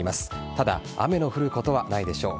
ただ雨の降ることはないでしょう。